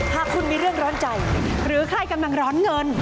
หากคุณมีเรื่องร้อนใจหรือใครกำลังร้อนเงิน